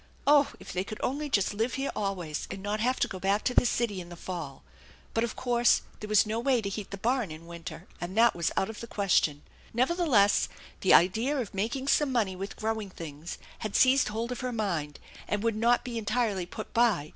Oh, if they could only just live here always, and not have to go back to the city in the fall ! But of course there was no way to heat the barn in winter, and that was out of the question. Nevertheless, the idea of making some money with growing things had seized hold of her mind and would not be entirely put by.